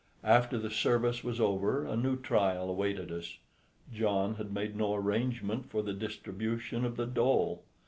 After the service was over a new trial awaited us. John had made no arrangement for the distribution of the dole.